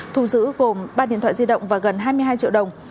thu giữ gồm ba điện thoại di động và gần hai mươi hai triệu đồng